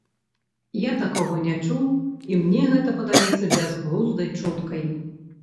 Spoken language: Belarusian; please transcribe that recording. Я такога не чуў, і мне гэта падаецца бязглуздай чуткай.